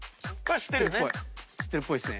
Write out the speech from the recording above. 知ってるっぽいっすね。